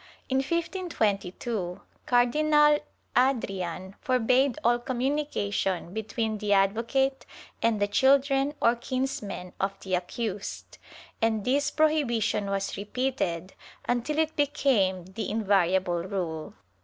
In 1522 Cardinal Adrian forbade all communication between the advocate and the children or kinsmen of the accused, and this prohibition was repeated until it became the invariable rule.